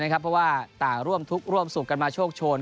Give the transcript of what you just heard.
เพราะว่าต่างร่วมทุกข์ร่วมสุขกันมาโชคโชน